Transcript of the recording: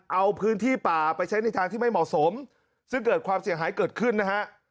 เอาพื้นที่ป่าไปใช้ในทางที่ไม่เหมาะสมซึ่งเกิดความเสียหายเกิดขึ้นนะฮะ